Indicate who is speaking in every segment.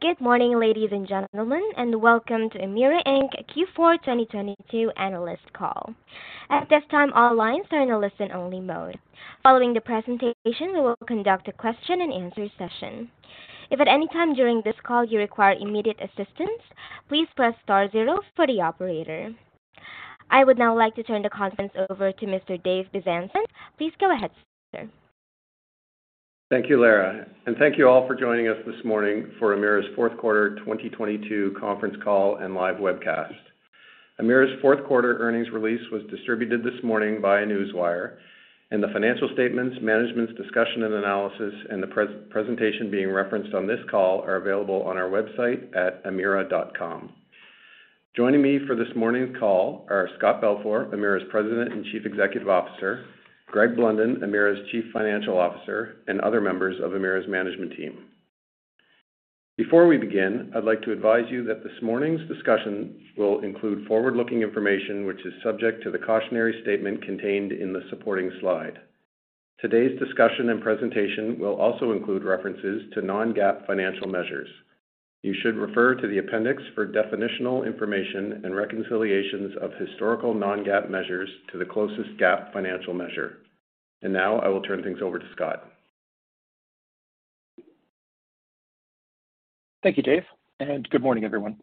Speaker 1: Good morning, ladies and gentlemen, and welcome to Emera Inc. Q4 2022 analyst call. At this time, all lines are in a listen-only mode. Following the presentation, we will conduct a question-and-answer session. If at any time during this call you require immediate assistance, please press star zero for the operator. I would now like to turn the conference over to Mr. Dave Bezanson. Please go ahead, sir.
Speaker 2: Thank you, Lara, thank you all for joining us this morning for Emera's fourth quarter 2022 conference call and live webcast. Emera's fourth quarter earnings release was distributed this morning via Newswire, and the financial statements, management's discussion and analysis and the presentation being referenced on this call are available on our website at emera.com. Joining me for this morning's call are Scott Balfour, Emera's President and Chief Executive Officer, Greg Blunden, Emera's Chief Financial Officer, and other members of Emera's management team. Before we begin, I'd like to advise you that this morning's discussion will include forward-looking information which is subject to the cautionary statement contained in the supporting slide. Today's discussion and presentation will also include references to non-GAAP financial measures. You should refer to the appendix for definitional information and reconciliations of historical non-GAAP measures to the closest GAAP financial measure. Now I will turn things over to Scott.
Speaker 3: Thank you, Dave. Good morning, everyone.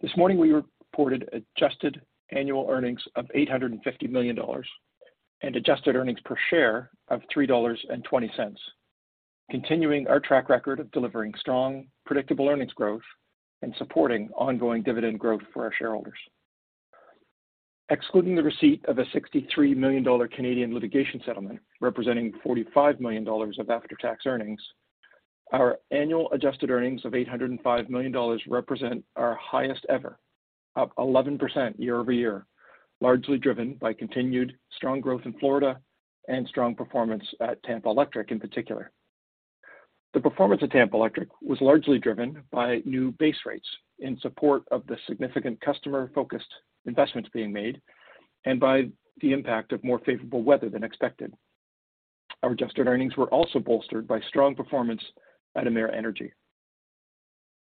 Speaker 3: This morning we reported adjusted annual earnings of $850 million and adjusted earnings per share of $3.20, continuing our track record of delivering strong, predictable earnings growth and supporting ongoing dividend growth for our shareholders. Excluding the receipt of a 63 million Canadian dollars litigation settlement, representing $45 million of after-tax earnings, our annual adjusted earnings of $805 million represent our highest ever, up 11% year-over-year, largely driven by continued strong growth in Florida and strong performance at Tampa Electric in particular. The performance at Tampa Electric was largely driven by new base rates in support of the significant customer-focused investments being made by the impact of more favorable weather than expected. Our adjusted earnings were also bolstered by strong performance at Emera Energy.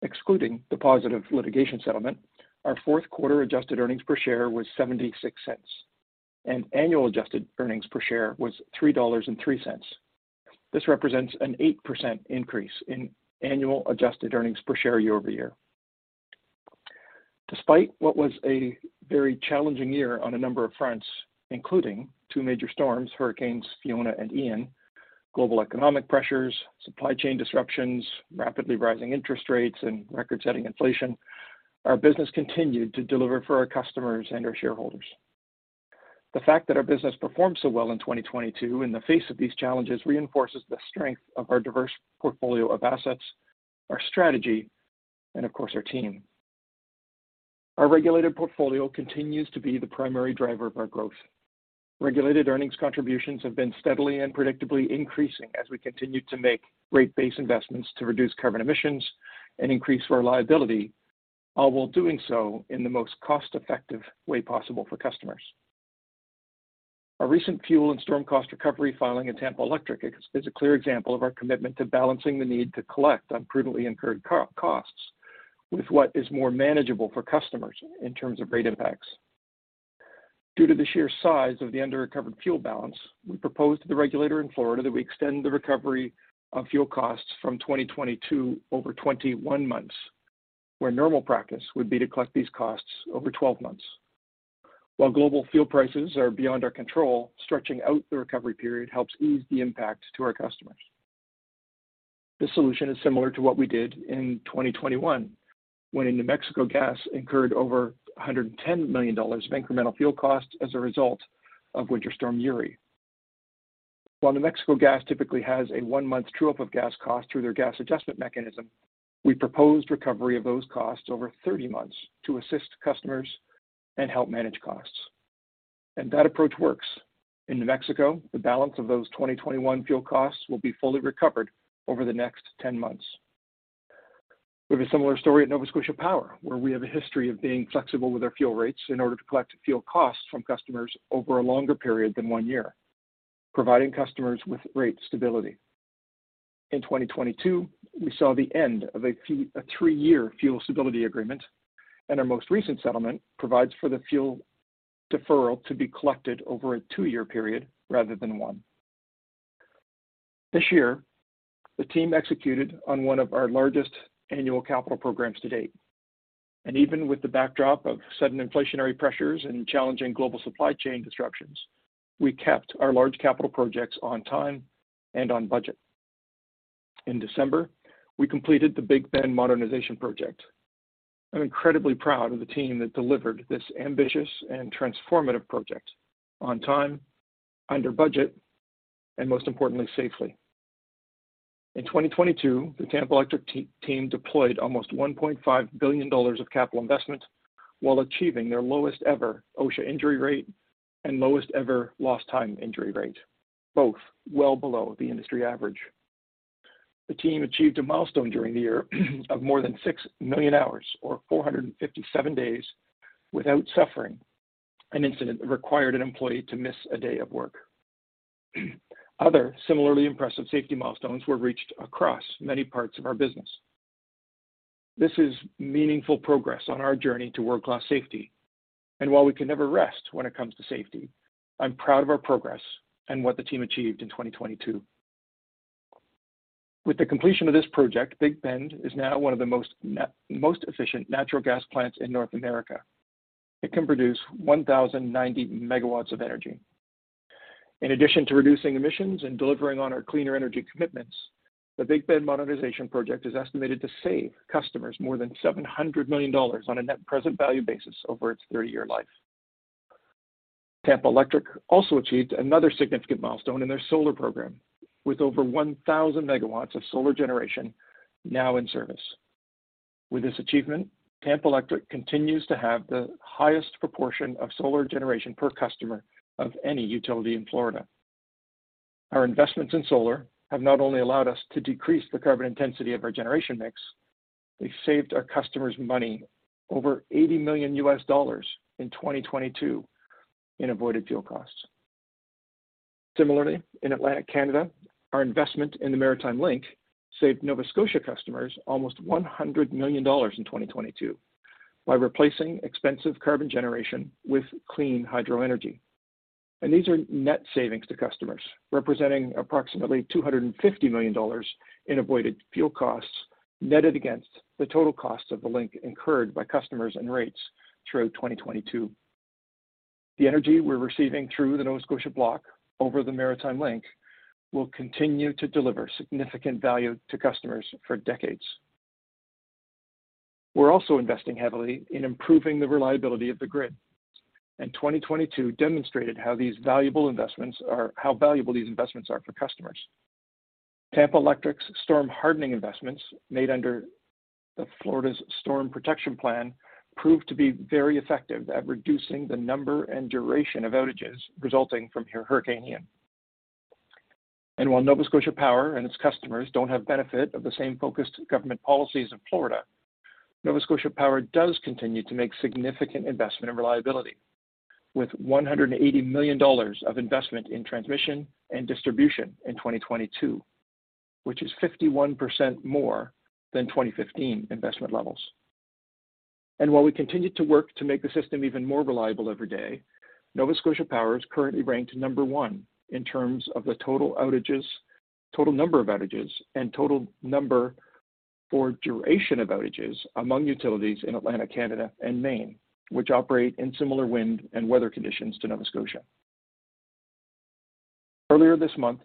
Speaker 3: Excluding the positive litigation settlement, our fourth quarter adjusted earnings per share was $0.76, and annual adjusted earnings per share was $3.03. This represents an 8% increase in annual adjusted earnings per share year-over-year. Despite what was a very challenging year on a number of fronts, including two major storms, Hurricanes Fiona and Ian, global economic pressures, supply chain disruptions, rapidly rising interest rates, and record-setting inflation, our business continued to deliver for our customers and our shareholders. The fact that our business performed so well in 2022 in the face of these challenges reinforces the strength of our diverse portfolio of assets, our strategy, and of course, our team. Our regulated portfolio continues to be the primary driver of our growth. Regulated earnings contributions have been steadily and predictably increasing as we continue to make great base investments to reduce carbon emissions and increase reliability, all while doing so in the most cost-effective way possible for customers. Our recent fuel and storm cost recovery filing at Tampa Electric is a clear example of our commitment to balancing the need to collect on prudently incurred co-costs with what is more manageable for customers in terms of rate impacts. Due to the sheer size of the under-recovered fuel balance, we proposed to the regulator in Florida that we extend the recovery of fuel costs from 2022 over 21 months, where normal practice would be to collect these costs over 12 months. While global fuel prices are beyond our control, stretching out the recovery period helps ease the impact to our customers. This solution is similar to what we did in 2021 when New Mexico Gas incurred over $110 million of incremental fuel costs as a result of Winter Storm Uri. While New Mexico Gas typically has a 1-month true-up of gas costs through their gas adjustment mechanism, we proposed recovery of those costs over 30 months to assist customers and help manage costs. That approach works. In New Mexico, the balance of those 2021 fuel costs will be fully recovered over the next 10 months. We have a similar story at Nova Scotia Power, where we have a history of being flexible with our fuel rates in order to collect fuel costs from customers over a longer period than one year, providing customers with rate stability. In 2022, we saw the end of a 3-year fuel stability agreement, and our most recent settlement provides for the fuel deferral to be collected over a 2-year period rather than one. This year, the team executed on one of our largest annual capital programs to date. Even with the backdrop of sudden inflationary pressures and challenging global supply chain disruptions, we kept our large capital projects on time and on budget. In December, we completed the Big Bend modernization project. I'm incredibly proud of the team that delivered this ambitious and transformative project on time, under budget, and most importantly, safely. In 2022, the Tampa Electric team deployed almost $1.5 billion of capital investment while achieving their lowest ever OSHA injury rate and lowest ever lost time injury rate, both well below the industry average. The team achieved a milestone during the year of more than 6 million hours or 457 days without suffering an incident that required an employee to miss a day of work. Other similarly impressive safety milestones were reached across many parts of our business. This is meaningful progress on our journey to world-class safety. While we can never rest when it comes to safety, I'm proud of our progress and what the team achieved in 2022. With the completion of this project, Big Bend is now one of the most efficient natural gas plants in North America. It can produce 1,090 megawatts of energy. In addition to reducing emissions and delivering on our cleaner energy commitments, the Big Bend modernization project is estimated to save customers more than $700 million on a net present value basis over its 30-year life. Tampa Electric also achieved another significant milestone in their solar program, with over 1,000 megawatts of solar generation now in service. With this achievement, Tampa Electric continues to have the highest proportion of solar generation per customer of any utility in Florida. Our investments in solar have not only allowed us to decrease the carbon intensity of our generation mix, they saved our customers money, over $80 million in 2022 in avoided fuel costs. Similarly, in Atlantic Canada, our investment in the Maritime Link saved Nova Scotia customers almost 100 million dollars in 2022 by replacing expensive carbon generation with clean hydro energy. These are net savings to customers, representing approximately $250 million in avoided fuel costs netted against the total cost of the link incurred by customers and rates through 2022. The energy we're receiving through the Nova Scotia Block over the Maritime Link will continue to deliver significant value to customers for decades. We're also investing heavily in improving the reliability of the grid. 2022 demonstrated how valuable these investments are for customers. Tampa Electric's storm hardening investments made under the Florida's Storm Protection Plan proved to be very effective at reducing the number and duration of outages resulting from Hurricane Ian. While Nova Scotia Power and its customers don't have benefit of the same focused government policies of Florida, Nova Scotia Power does continue to make significant investment in reliability, with 180 million dollars of investment in transmission and distribution in 2022, which is 51% more than 2015 investment levels. While we continue to work to make the system even more reliable every day, Nova Scotia Power is currently ranked number one in terms of the total number of outages and total number or duration of outages among utilities in Atlantic Canada and Maine, which operate in similar wind and weather conditions to Nova Scotia. Earlier this month,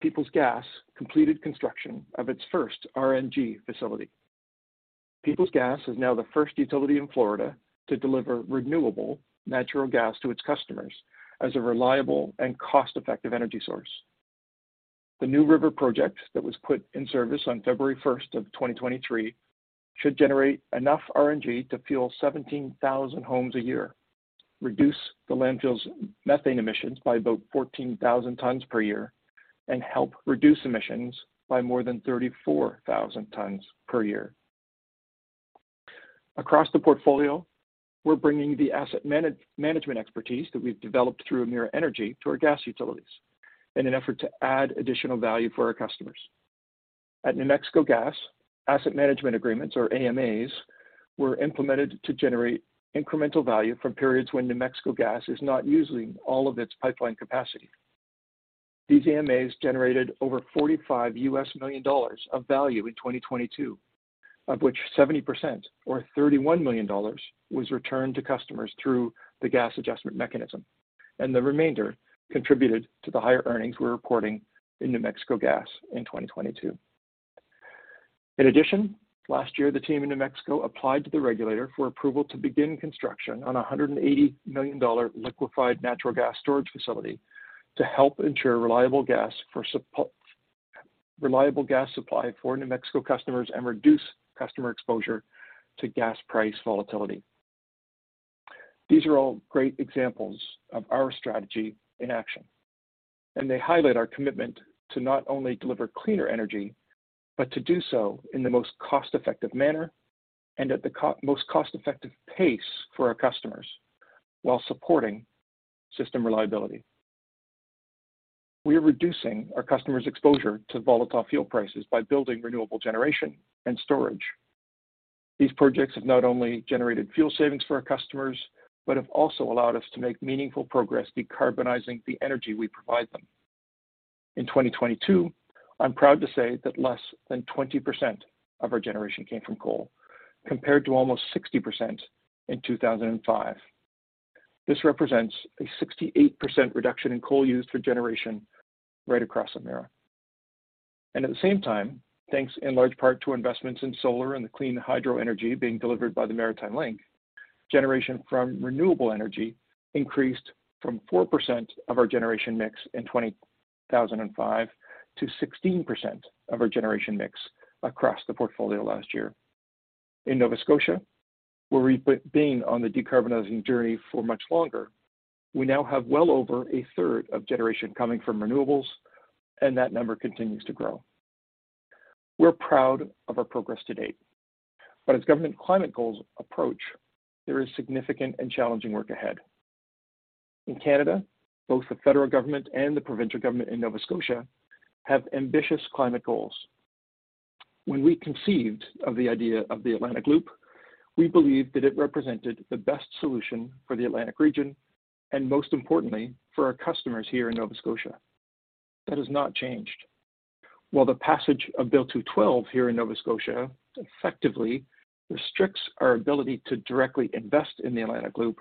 Speaker 3: Peoples Gas completed construction of its first RNG facility. Peoples Gas is now the first utility in Florida to deliver renewable natural gas to its customers as a reliable and cost-effective energy source. The New River project that was put in service on February 1, 2023, should generate enough RNG to fuel 17,000 homes a year, reduce the landfill's methane emissions by about 14,000 tons per year, and help reduce emissions by more than 34,000 tons per year. Across the portfolio, we're bringing the asset management expertise that we've developed through Emera Energy to our gas utilities in an effort to add additional value for our customers. At New Mexico Gas, asset management agreements or AMAs were implemented to generate incremental value from periods when New Mexico Gas is not using all of its pipeline capacity. These AMAs generated over $45 million of value in 2022, of which 70% or $31 million was returned to customers through the gas adjustment mechanism, and the remainder contributed to the higher earnings we're reporting in New Mexico Gas in 2022. In addition, last year, the team in New Mexico applied to the regulator for approval to begin construction on a $180 million liquified natural gas storage facility to help ensure reliable gas supply for New Mexico customers and reduce customer exposure to gas price volatility. These are all great examples of our strategy in action, and they highlight our commitment to not only deliver cleaner energy, but to do so in the most cost-effective manner and at the most cost-effective pace for our customers while supporting system reliability. We are reducing our customers' exposure to volatile fuel prices by building renewable generation and storage. These projects have not only generated fuel savings for our customers, but have also allowed us to make meaningful progress decarbonizing the energy we provide them. In 2022, I'm proud to say that less than 20% of our generation came from coal, compared to almost 60% in 2005. This represents a 68% reduction in coal used for generation right across Emera. At the same time, thanks in large part to investments in solar and the clean hydro energy being delivered by the Maritime Link, generation from renewable energy increased from 4% of our generation mix in 2005 to 16% of our generation mix across the portfolio last year. In Nova Scotia, where we've been on the decarbonizing journey for much longer, we now have well over a third of generation coming from renewables, and that number continues to grow. We're proud of our progress to date. As government climate goals approach, there is significant and challenging work ahead. In Canada, both the federal government and the provincial government in Nova Scotia have ambitious climate goals. When we conceived of the idea of the Atlantic Loop, we believed that it represented the best solution for the Atlantic region and most importantly, for our customers here in Nova Scotia. That has not changed. While the passage of Bill 212 here in Nova Scotia effectively restricts our ability to directly invest in the Atlantic Loop,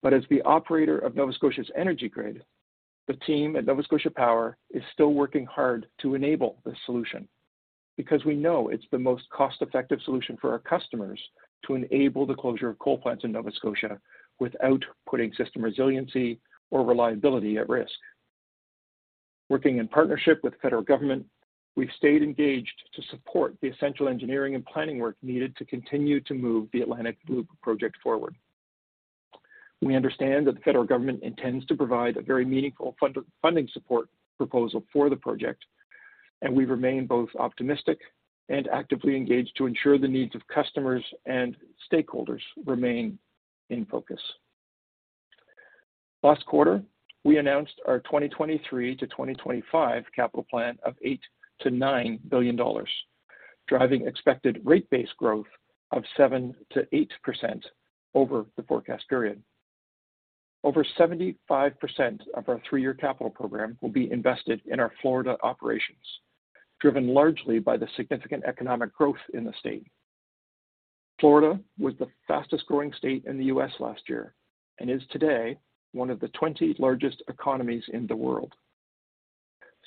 Speaker 3: but as the operator of Nova Scotia's energy grid, the team at Nova Scotia Power is still working hard to enable this solution because we know it's the most cost-effective solution for our customers to enable the closure of coal plants in Nova Scotia without putting system resiliency or reliability at risk. Working in partnership with federal government, we've stayed engaged to support the essential engineering and planning work needed to continue to move the Atlantic Loop project forward. We understand that the federal government intends to provide a very meaningful funding support proposal for the project, and we remain both optimistic and actively engaged to ensure the needs of customers and stakeholders remain in focus. Last quarter, we announced our 2023-2025 capital plan of $8 billion-$9 billion, driving expected rate-based growth of 7%-8% over the forecast period. Over 75% of our 3-year capital program will be invested in our Florida operations, driven largely by the significant economic growth in the state. Florida was the fastest-growing state in the U.S. last year and is today one of the 20 largest economies in the world.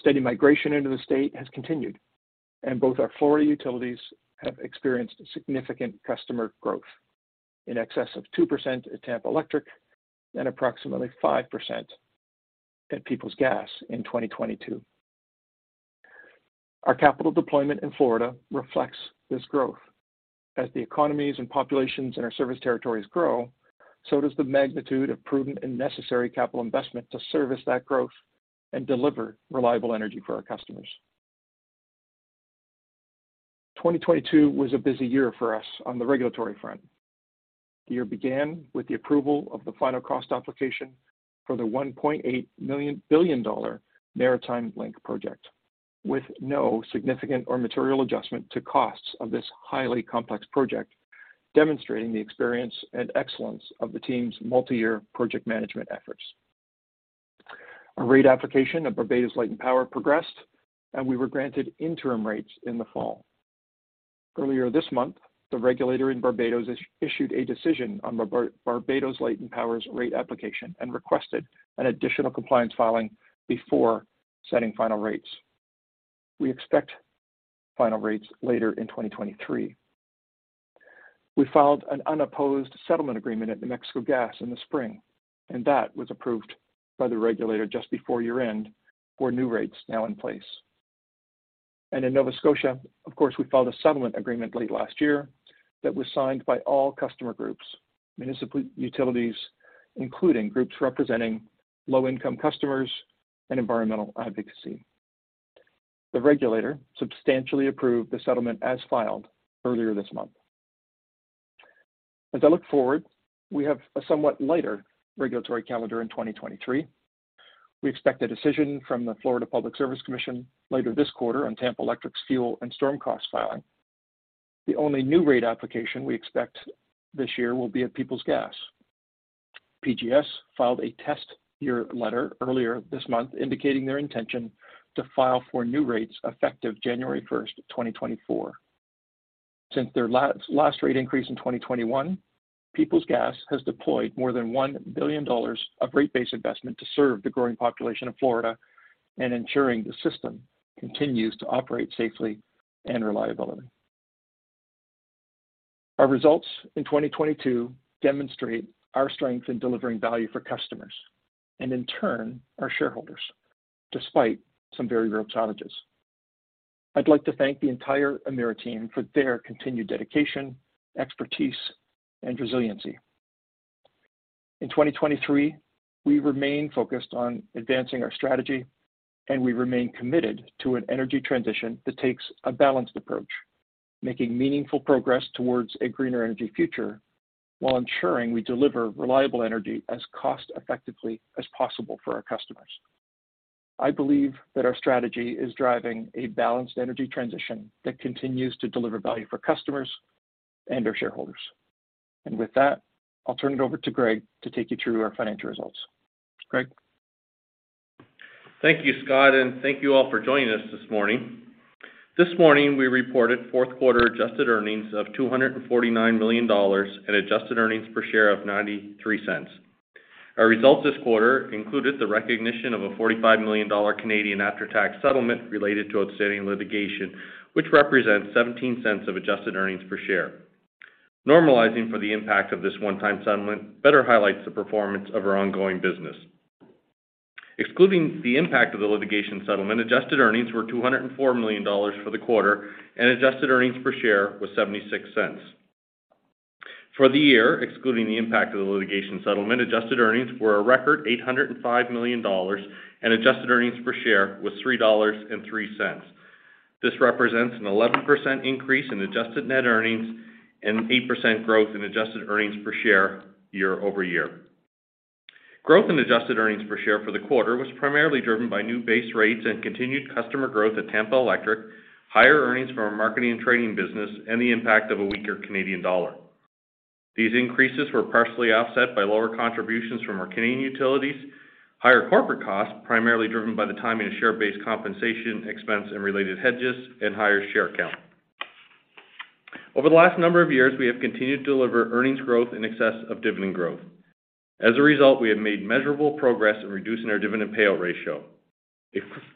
Speaker 3: Steady migration into the state has continued, and both our Florida utilities have experienced significant customer growth in excess of 2% at Tampa Electric and approximately 5% at Peoples Gas in 2022. Our capital deployment in Florida reflects this growth. As the economies and populations in our service territories grow, so does the magnitude of prudent and necessary capital investment to service that growth and deliver reliable energy for our customers. 2022 was a busy year for us on the regulatory front. The year began with the approval of the final cost application for the 1.8 billion dollar Maritime Link Project, with no significant or material adjustment to costs of this highly complex project, demonstrating the experience and excellence of the team's multi-year project management efforts. A rate application of Barbados Light & Power progressed, we were granted interim rates in the fall. Earlier this month, the regulator in Barbados issued a decision on Barbados Light & Power's rate application requested an additional compliance filing before setting final rates. We expect final rates later in 2023. We filed an unopposed settlement agreement at New Mexico Gas in the spring, and that was approved by the regulator just before year-end for new rates now in place. In Nova Scotia, of course, we filed a settlement agreement late last year that was signed by all customer groups, municipal utilities, including groups representing low-income customers and environmental advocacy. The regulator substantially approved the settlement as filed earlier this month. As I look forward, we have a somewhat lighter regulatory calendar in 2023. We expect a decision from the Florida Public Service Commission later this quarter on Tampa Electric's fuel and storm cost filing. The only new rate application we expect this year will be at Peoples Gas. PGS filed a test year letter earlier this month indicating their intention to file for new rates effective January 1, 2024. Since their last rate increase in 2021, Peoples Gas has deployed more than $1 billion of rate-based investment to serve the growing population of Florida and ensuring the system continues to operate safely and reliably. Our results in 2022 demonstrate our strength in delivering value for customers and, in turn, our shareholders, despite some very real challenges. I'd like to thank the entire Emera team for their continued dedication, expertise, and resiliency. In 2023, we remain focused on advancing our strategy, and we remain committed to an energy transition that takes a balanced approach, making meaningful progress towards a greener energy future while ensuring we deliver reliable energy as cost-effectively as possible for our customers. I believe that our strategy is driving a balanced energy transition that continues to deliver value for customers and our shareholders. With that, I'll turn it over to Greg to take you through our financial results. Greg?
Speaker 4: Thank you, Scott, and thank you all for joining us this morning. This morning, we reported fourth-quarter adjusted earnings of 249 million dollars and adjusted earnings per share of 0.93. Our results this quarter included the recognition of a 45 million Canadian dollars Canadian after-tax settlement related to outstanding litigation, which represents 0.17 of adjusted earnings per share. Normalizing for the impact of this one-time settlement better highlights the performance of our ongoing business. Excluding the impact of the litigation settlement, adjusted earnings were 204 million dollars for the quarter, and adjusted earnings per share was 0.76. For the year, excluding the impact of the litigation settlement, adjusted earnings were a record 805 million dollars and adjusted earnings per share was 3.03 dollars. This represents an 11% increase in adjusted net earnings and 8% growth in adjusted earnings per share year-over-year. Growth in adjusted earnings per share for the quarter was primarily driven by new base rates and continued customer growth at Tampa Electric, higher earnings from our marketing and trading business, and the impact of a weaker Canadian dollar. These increases were partially offset by lower contributions from our Canadian utilities, higher corporate costs, primarily driven by the timing of share-based compensation expense and related hedges, and higher share count. Over the last number of years, we have continued to deliver earnings growth in excess of dividend growth. As a result, we have made measurable progress in reducing our dividend payout ratio.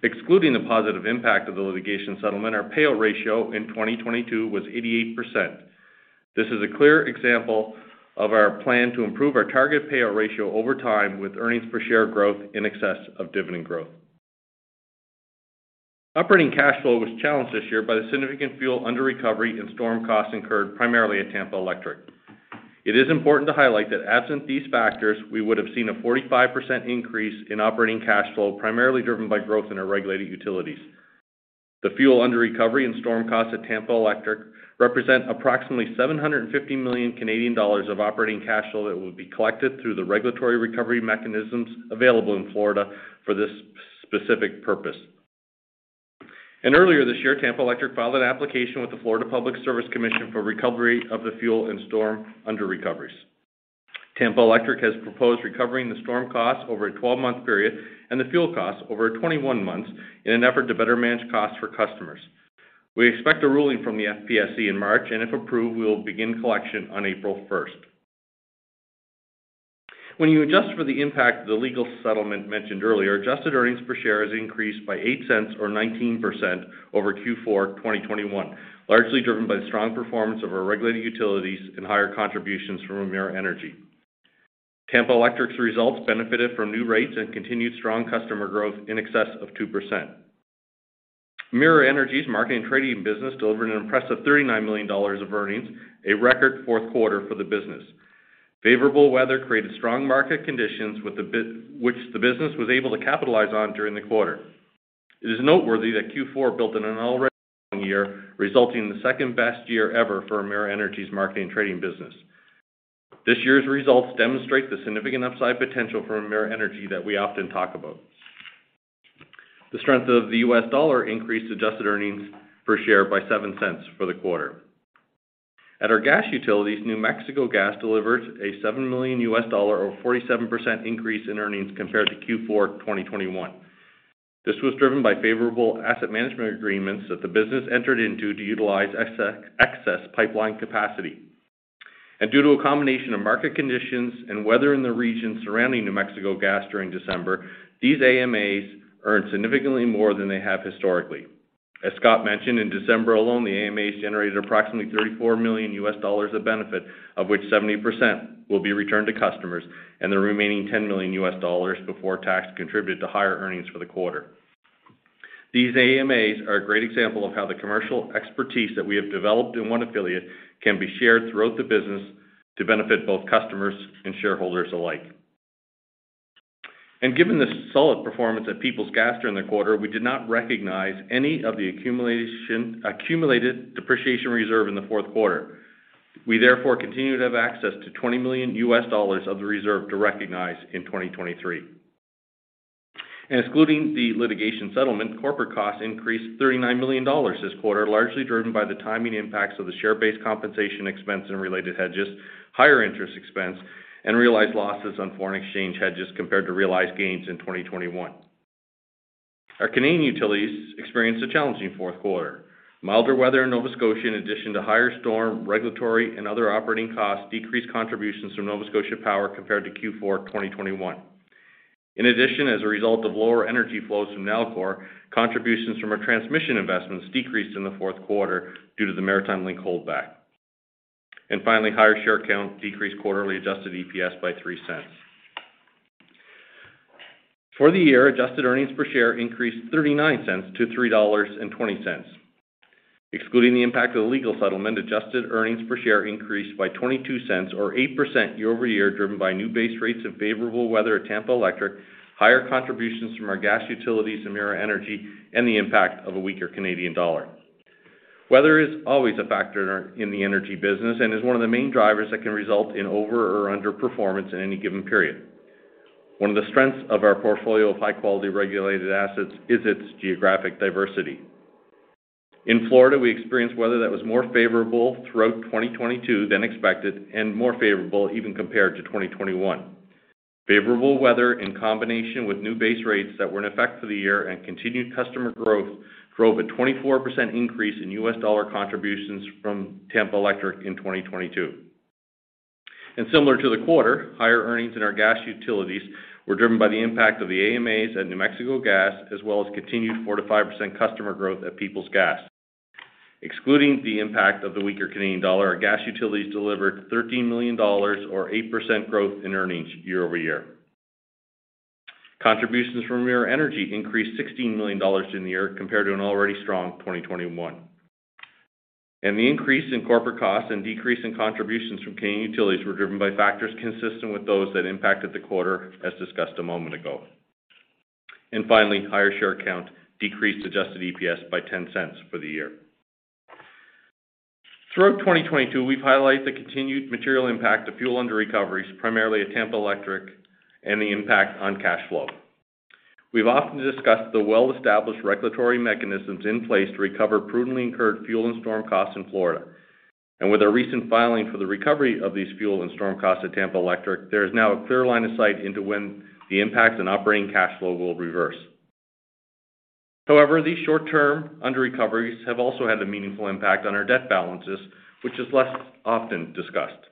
Speaker 4: Excluding the positive impact of the litigation settlement, our payout ratio in 2022 was 88%. This is a clear example of our plan to improve our target payout ratio over time with earnings per share growth in excess of dividend growth. Operating cash flow was challenged this year by the significant fuel under recovery and storm costs incurred primarily at Tampa Electric. It is important to highlight that absent these factors, we would have seen a 45% increase in operating cash flow, primarily driven by growth in our regulated utilities. The fuel under recovery and storm costs at Tampa Electric represent approximately 750 million Canadian dollars of operating cash flow that will be collected through the regulatory recovery mechanisms available in Florida for this specific purpose. Earlier this year, Tampa Electric filed an application with the Florida Public Service Commission for recovery of the fuel and storm under recoveries. Tampa Electric has proposed recovering the storm costs over a 12-month period and the fuel costs over 21 months in an effort to better manage costs for customers. We expect a ruling from the FPSC in March, and if approved, we will begin collection on April 1. When you adjust for the impact of the legal settlement mentioned earlier, adjusted earnings per share has increased by $0.08 or 19% over Q4 2021, largely driven by the strong performance of our regulated utilities and higher contributions from Emera Energy. Tampa Electric's results benefited from new rates and continued strong customer growth in excess of 2%. Emera Energy's marketing and trading business delivered an impressive $39 million of earnings, a record fourth quarter for the business. Favorable weather created strong market conditions which the business was able to capitalize on during the quarter. It is noteworthy that Q4 built in an already strong year, resulting in the second-best year ever for Emera Energy's marketing and trading business. This year's results demonstrate the significant upside potential for Emera Energy that we often talk about. The strength of the US dollar increased adjusted earnings per share by $0.07 for the quarter. At our gas utilities, New Mexico Gas delivered a $7 million or 47% increase in earnings compared to Q4 2021. This was driven by favorable asset management agreements that the business entered into to utilize excess pipeline capacity. Due to a combination of market conditions and weather in the region surrounding New Mexico Gas during December, these AMAs earned significantly more than they have historically. As Scott mentioned, in December alone, the AMAs generated approximately $34 million of benefit, of which 70% will be returned to customers, and the remaining $10 million before tax contributed to higher earnings for the quarter. These AMAs are a great example of how the commercial expertise that we have developed in one affiliate can be shared throughout the business to benefit both customers and shareholders alike. Given the solid performance at Peoples Gas during the quarter, we did not recognize any of the accumulated depreciation reserve in the fourth quarter. We therefore continue to have access to $20 million of the reserve to recognize in 2023. Excluding the litigation settlement, corporate costs increased 39 million dollars this quarter, largely driven by the timing impacts of the share-based compensation expense and related hedges, higher interest expense, and realized losses on foreign exchange hedges compared to realized gains in 2021. Our Canadian utilities experienced a challenging fourth quarter. Milder weather in Nova Scotia, in addition to higher storm, regulatory, and other operating costs, decreased contributions from Nova Scotia Power compared to Q4 2021. In addition, as a result of lower energy flows from Nalcor, contributions from our transmission investments decreased in the fourth quarter due to the Maritime Link holdback. Finally, higher share count decreased quarterly adjusted EPS by 0.03. For the year, adjusted earnings per share increased 0.39 to 3.20 dollars. Excluding the impact of the legal settlement, adjusted earnings per share increased by 0.22 or 8% year-over-year, driven by new base rates and favorable weather at Tampa Electric, higher contributions from our gas utilities and Emera Energy, and the impact of a weaker Canadian dollar. Weather is always a factor in the energy business and is one of the main drivers that can result in over or underperformance in any given period. One of the strengths of our portfolio of high-quality regulated assets is its geographic diversity. In Florida, we experienced weather that was more favorable throughout 2022 than expected and more favorable even compared to 2021. Favorable weather in combination with new base rates that were in effect for the year and continued customer growth drove a 24% increase in U.S. dollar contributions from Tampa Electric in 2022. Similar to the quarter, higher earnings in our gas utilities were driven by the impact of the AMAs at New Mexico Gas, as well as continued 4%-5% customer growth at Peoples Gas. Excluding the impact of the weaker Canadian dollar, our gas utilities delivered 13 million dollars or 8% growth in earnings year-over-year. Contributions from Emera Energy increased 16 million dollars in the year compared to an already strong 2021. The increase in corporate costs and decrease in contributions from Canadian Utilities were driven by factors consistent with those that impacted the quarter, as discussed a moment ago. Finally, higher share count decreased adjusted EPS by 0.10 for the year. Throughout 2022, we've highlighted the continued material impact of fuel underrecoveries, primarily at Tampa Electric and the impact on cash flow. We've often discussed the well-established regulatory mechanisms in place to recover prudently incurred fuel and storm costs in Florida. With our recent filing for the recovery of these fuel and storm costs at Tampa Electric, there is now a clear line of sight into when the impacts on operating cash flow will reverse. However, these short-term underrecoveries have also had a meaningful impact on our debt balances, which is less often discussed.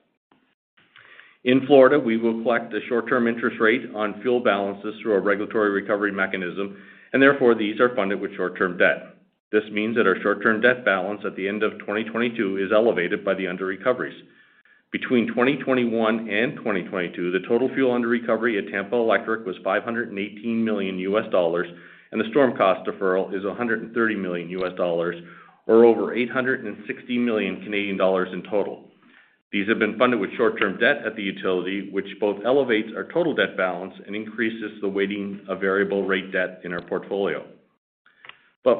Speaker 4: In Florida, we will collect the short-term interest rate on fuel balances through a regulatory recovery mechanism, and therefore, these are funded with short-term debt. This means that our short-term debt balance at the end of 2022 is elevated by the underrecoveries. Between 2021 and 2022, the total fuel underrecovery at Tampa Electric was $518 million, and the storm cost deferral is $130 million, or over 860 million Canadian dollars in total. These have been funded with short-term debt at the utility, which both elevates our total debt balance and increases the weighting of variable rate debt in our portfolio.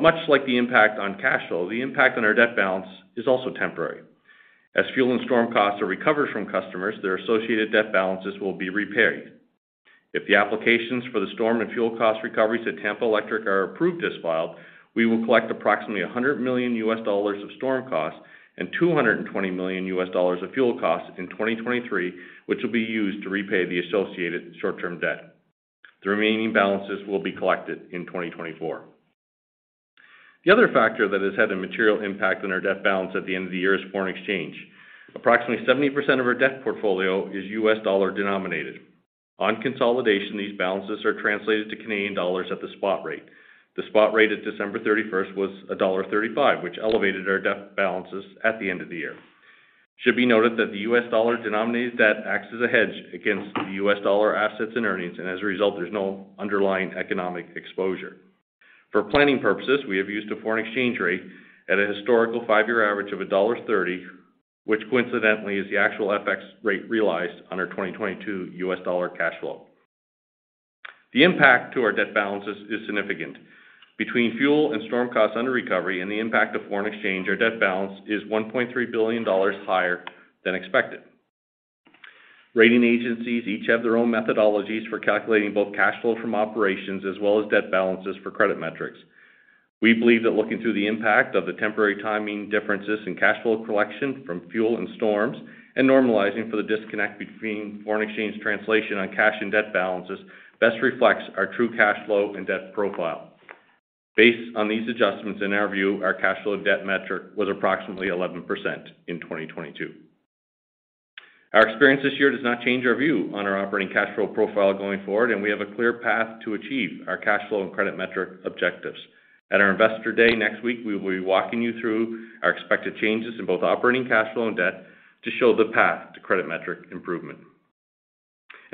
Speaker 4: Much like the impact on cash flow, the impact on our debt balance is also temporary. As fuel and storm costs are recovered from customers, their associated debt balances will be repaid. If the applications for the storm and fuel cost recoveries at Tampa Electric are approved as filed, we will collect approximately $100 million of storm costs and $220 million of fuel costs in 2023, which will be used to repay the associated short-term debt. The remaining balances will be collected in 2024. The other factor that has had a material impact on our debt balance at the end of the year is foreign exchange. Approximately 70% of our debt portfolio is U.S. dollar-denominated. On consolidation, these balances are translated to Canadian dollars at the spot rate. The spot rate at December thirty-first was $1.35, which elevated our debt balances at the end of the year. It should be noted that the U.S. dollar-denominated debt acts as a hedge against the U.S. dollar assets and earnings. As a result, there's no underlying economic exposure. For planning purposes, we have used a foreign exchange rate at a historical five-year average of $1.30, which coincidentally is the actual FX rate realized on our 2022 U.S. dollar cash flow. The impact to our debt balances is significant. Between fuel and storm costs underrecovery and the impact of foreign exchange, our debt balance is $1.3 billion higher than expected. Rating agencies each have their own methodologies for calculating both cash flow from operations as well as debt balances for credit metrics. We believe that looking through the impact of the temporary timing differences in cash flow collection from fuel and storms and normalizing for the disconnect between foreign exchange translation on cash and debt balances best reflects our true cash flow and debt profile. Based on these adjustments, in our view, our cash flow debt metric was approximately 11% in 2022. Our experience this year does not change our view on our operating cash flow profile going forward, and we have a clear path to achieve our cash flow and credit metric objectives. At our Investor Day next week, we will be walking you through our expected changes in both operating cash flow and debt to show the path to credit metric improvement.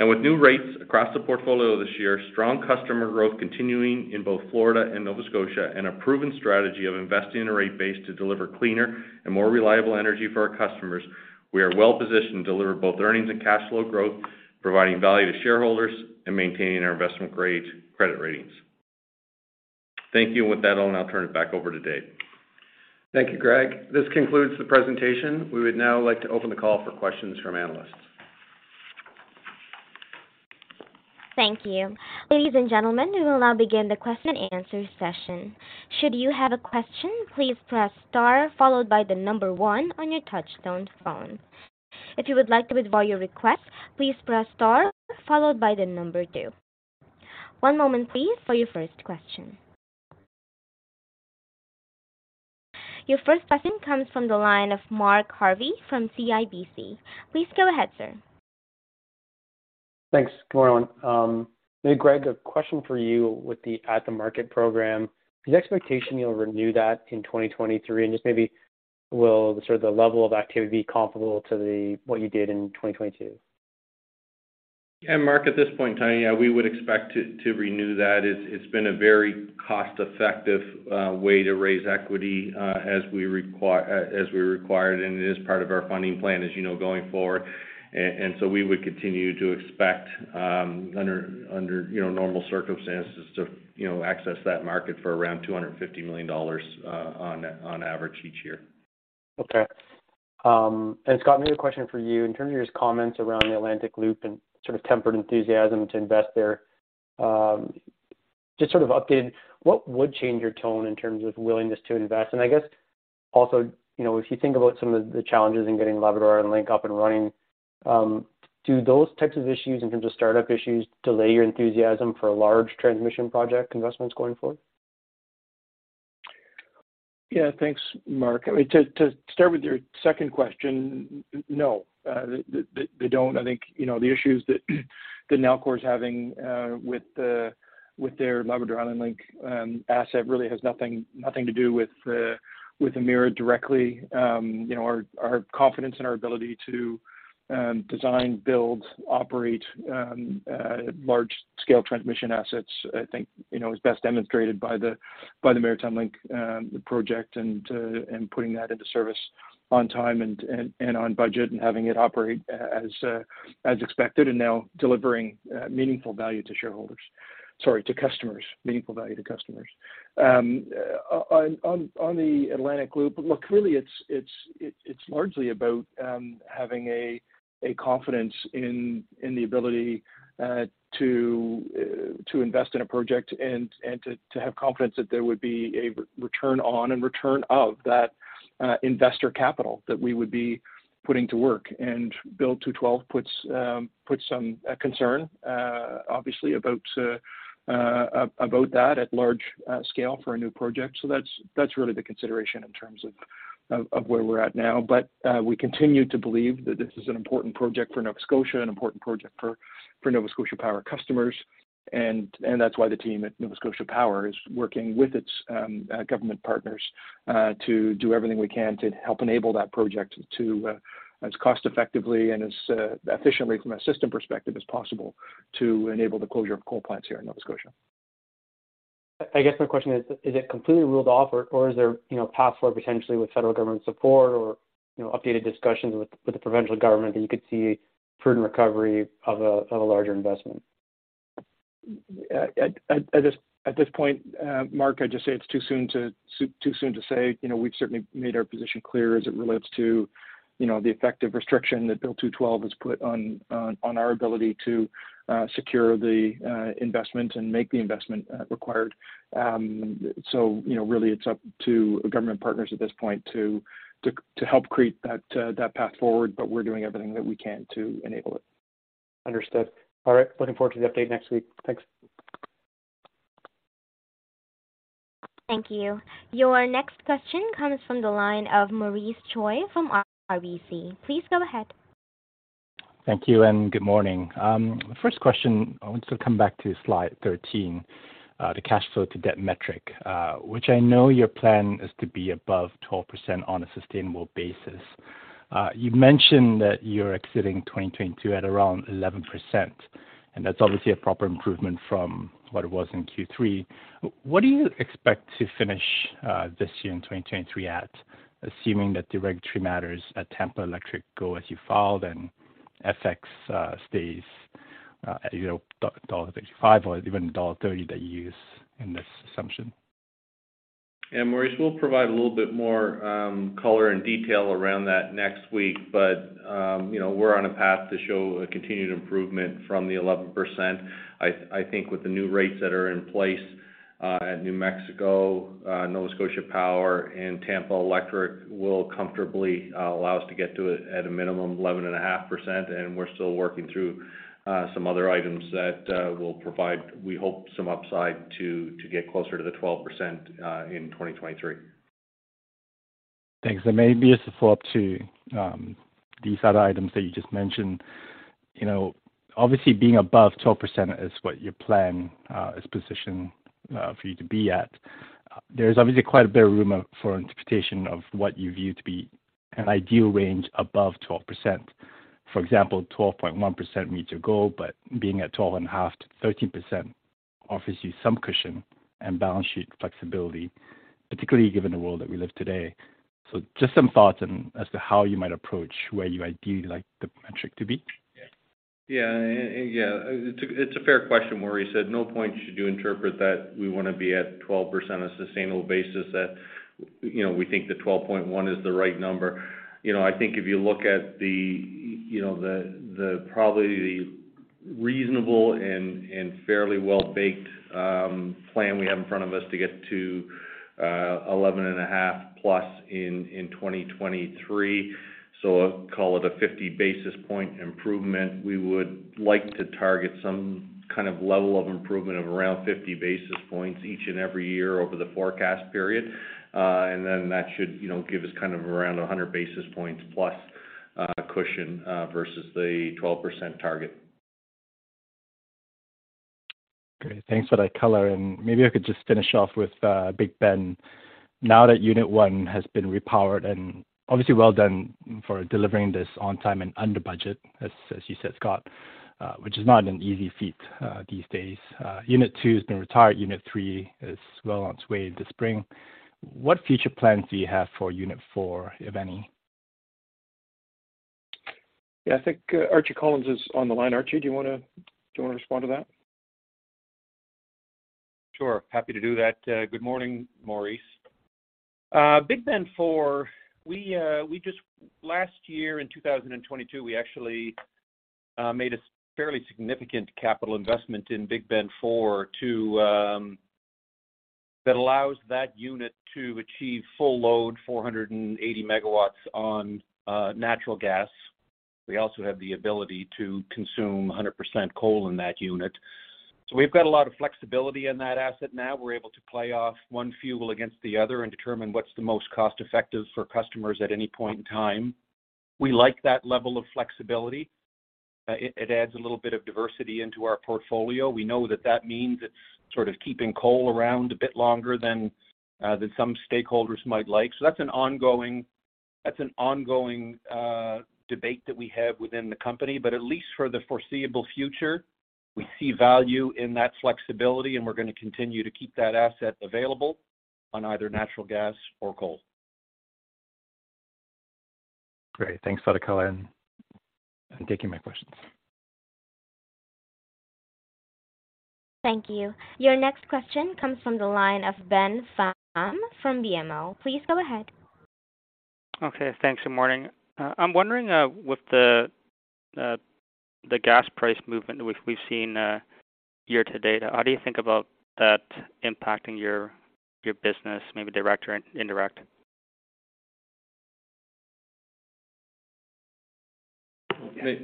Speaker 4: With new rates across the portfolio this year, strong customer growth continuing in both Florida and Nova Scotia, and a proven strategy of investing in a rate base to deliver cleaner and more reliable energy for our customers, we are well positioned to deliver both earnings and cash flow growth, providing value to shareholders and maintaining our investment-grade credit ratings. Thank you. With that, I'll now turn it back over to Dave.
Speaker 2: Thank you, Greg. This concludes the presentation. We would now like to open the call for questions from analysts.
Speaker 1: Thank you. Ladies and gentlemen, we will now begin the question and answer session. Should you have a question, please press star followed by the number one on your touch-tone phone. If you would like to withdraw your request, please press star followed by the number two. One moment, please, for your first question. Your first question comes from the line of Mark Jarvi from CIBC. Please go ahead, sir.
Speaker 5: Thanks. Good morning, everyone. Maybe Greg, a question for you with the at-the-market program. Is the expectation you'll renew that in 2023? Just maybe will sort of the level of activity be comparable to what you did in 2022?
Speaker 4: Yeah, Mark, at this point in time, yeah, we would expect to renew that. It's been a very cost-effective way to raise equity as we required, and it is part of our funding plan, as you know, going forward. We would continue to expect under, you know, normal circumstances to, you know, access that market for around 250 million dollars on average each year.
Speaker 5: Okay. Scott, maybe a question for you. In terms of your comments around the Atlantic Loop and sort of tempered enthusiasm to invest there, just sort of updated, what would change your tone in terms of willingness to invest? I guess also, you know, if you think about some of the challenges in getting Labrador and Link up and running, do those types of issues in terms of startup issues delay your enthusiasm for large transmission project investments going forward?
Speaker 3: Yeah. Thanks, Mark. I mean, to start with your second question, no, they don't. I think, you know, the issues that Nalcor is having, with their Labrador Island Link asset really has nothing to do with Emera directly. You know, our confidence in our ability to design, build, operate, large-scale transmission assets, I think, you know, is best demonstrated by the Maritime Link project and putting that into service on time and on budget and having it operate as expected, and now delivering meaningful value to shareholders. Sorry, to customers. Meaningful value to customers. On the Atlantic Loop, look, really, it's largely about having a confidence in the ability to invest in a project and to have confidence that there would be a return on and return of that investor capital that we would be putting to work. Bill 212 puts some concern obviously about that at large scale for a new project. That's really the consideration in terms of where we're at now. We continue to believe that this is an important project for Nova Scotia, an important project for Nova Scotia Power customers. That's why the team at Nova Scotia Power is working with its government partners to do everything we can to help enable that project to as cost-effectively and as efficiently from a system perspective as possible to enable the closure of coal plants here in Nova Scotia.
Speaker 5: I guess my question is it completely ruled off or is there, you know, a path forward potentially with federal government support or, you know, updated discussions with the provincial government that you could see prudent recovery of a, of a larger investment?
Speaker 3: At this point, Mark, I'd just say it's too soon to say. You know, we've certainly made our position clear as it relates to, you know, the effective restriction that Bill 212 has put on our ability to secure the investment and make the investment required. You know, really, it's up to government partners at this point to help create that path forward. We're doing everything that we can to enable it.
Speaker 5: Understood. All right. Looking forward to the update next week. Thanks.
Speaker 1: Thank you. Your next question comes from the line of Maurice Choy from RBC. Please go ahead.
Speaker 6: Thank you, and good morning. First question, I want to come back to slide 13, the cash flow to debt metric, which I know your plan is to be above 12% on a sustainable basis. You've mentioned that you're exiting 2022 at around 11%, and that's obviously a proper improvement from what it was in Q3. What do you expect to finish this year in 2023 at, assuming that the regulatory matters at Tampa Electric go as you filed and FX stays, you know, dollar 1.35 or even dollar 1.30 that you use in this assumption?
Speaker 4: Maurice, we'll provide a little bit more color and detail around that next week. You know, we're on a path to show a continued improvement from the 11%. I think with the new rates that are in place at New Mexico, Nova Scotia Power and Tampa Electric will comfortably allow us to get to at a minimum 11.5%. We're still working through some other items that will provide, we hope, some upside to get closer to the 12% in 2023.
Speaker 6: Thanks. Maybe just a follow-up to these other items that you just mentioned. You know, obviously being above 12% is what your plan is positioned for you to be at. There's obviously quite a bit of room for interpretation of what you view to be an ideal range above 12%. For example, 12.1% meets your goal, but being at 12.5%-13% offers you some cushion and balance sheet flexibility, particularly given the world that we live today. Just some thoughts on as to how you might approach where you ideally like the metric to be.
Speaker 4: It's a fair question, Maurice. At no point should you interpret that we want to be at 12% on a sustainable basis, that, you know, we think the 12.1 is the right number. You know, I think if you look at the probably the reasonable and fairly well-baked plan we have in front of us to get to 11.5 plus in 2023. Call it a 50 basis point improvement. We would like to target some kind of level of improvement of around 50 basis points each and every year over the forecast period. That should, you know, give us kind of around 100 basis points plus cushion versus the 12% target.
Speaker 6: Great. Thanks for that color. Maybe I could just finish off with Big Bend. Now that unit one has been repowered and obviously well done for delivering this on time and under budget, as you said, Scott, which is not an easy feat these days. Unit 2 has been retired. Unit 3 is well on its way this spring. What future plans do you have for unit 4, if any?
Speaker 3: I think, Archie Collins is on the line. Archie, do you want to respond to that?
Speaker 7: Sure. Happy to do that. Good morning, Maurice. Big Bend 4, last year in 2022, we actually made a fairly significant capital investment in Big Bend 4 to that allows that unit to achieve full load, 480 megawatts on natural gas. We also have the ability to consume 100% coal in that unit. We've got a lot of flexibility in that asset now. We're able to play off one fuel against the other and determine what's the most cost-effective for customers at any point in time. We like that level of flexibility. It adds a little bit of diversity into our portfolio. We know that that means it's sort of keeping coal around a bit longer than some stakeholders might like. That's an ongoing debate that we have within the company. At least for the foreseeable future, we see value in that flexibility, and we're gonna continue to keep that asset available on either natural gas or coal.
Speaker 6: Great. Thanks for the color and taking my questions.
Speaker 1: Thank you. Your next question comes from the line of Ben Pham from BMO. Please go ahead.
Speaker 8: Okay, thanks, and morning. I'm wondering, with the gas price movement which we've seen year-to-date, how do you think about that impacting your business, maybe direct or indirect?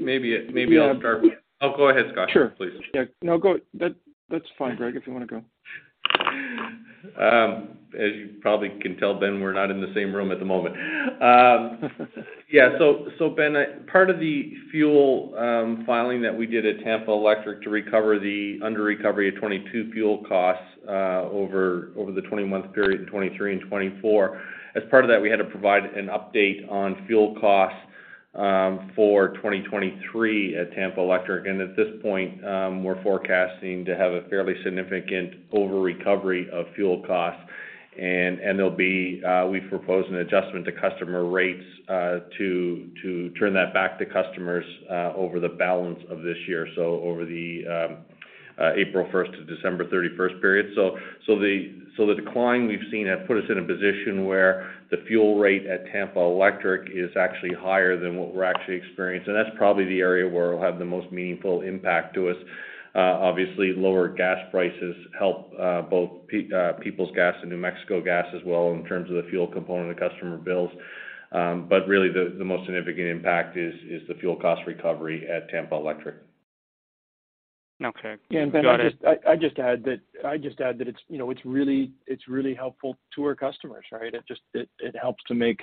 Speaker 4: Maybe I'll start. Oh, go ahead, Scott, please.
Speaker 3: Sure. Yeah, no, That's fine, Greg, if you wanna go.
Speaker 4: As you probably can tell, Ben, we're not in the same room at the moment. Ben, part of the fuel filing that we did at Tampa Electric to recover the under-recovery of 2022 fuel costs over the 20-month period in 2023 and 2024, as part of that, we had to provide an update on fuel costs for 2023 at Tampa Electric. At this point, we're forecasting to have a fairly significant over-recovery of fuel costs. There'll be, we've proposed an adjustment to customer rates to turn that back to customers over the balance of this year. Over the April 1 to December 31 period. The decline we've seen has put us in a position where the fuel rate at Tampa Electric is actually higher than what we're actually experiencing. That's probably the area where it'll have the most meaningful impact to us. Obviously, lower gas prices help both Peoples Gas and New Mexico Gas as well in terms of the fuel component of customer bills. Really the most significant impact is the fuel cost recovery at Tampa Electric.
Speaker 8: Okay. Got it.
Speaker 3: Yeah. Ben, I just add that it's, you know, it's really helpful to our customers, right? It helps to make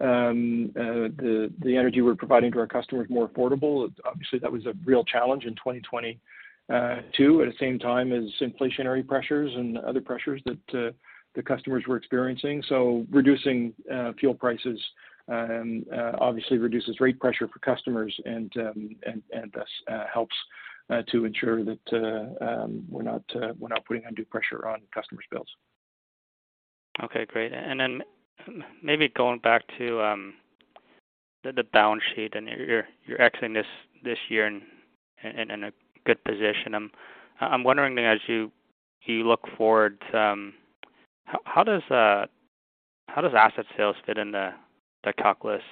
Speaker 3: the energy we're providing to our customers more affordable. Obviously, that was a real challenge in 2022, at the same time as inflationary pressures and other pressures that the customers were experiencing. Reducing fuel prices obviously reduces rate pressure for customers and thus helps to ensure that we're not putting undue pressure on customers' bills.
Speaker 8: Okay, great. Maybe going back to the balance sheet and you're exiting this year in a good position. I'm wondering as you look forward, how does asset sales fit into the calculus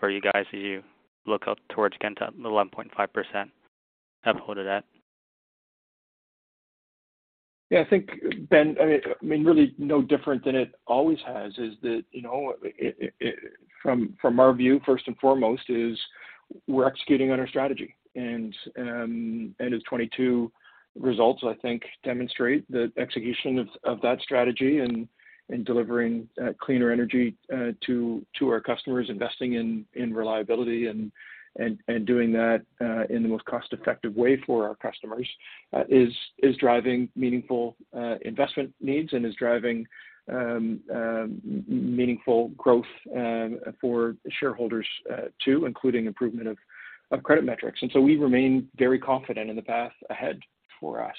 Speaker 8: for you guys as you look up towards getting to the 11.5% upload of that?
Speaker 3: Yeah, I think, Ben, I mean, really no different than it always has is that, you know, from our view, first and foremost, is we're executing on our strategy. End of 2022 results, I think, demonstrate the execution of that strategy and delivering cleaner energy to our customers, investing in reliability and doing that in the most cost-effective way for our customers is driving meaningful investment needs and is driving meaningful growth for shareholders too, including improvement of credit metrics. We remain very confident in the path ahead for us.